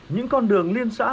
những con đường liên xã